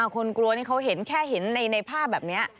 คนกลัวนี่เขาเห็นแค่เห็นในภาพแบบนี้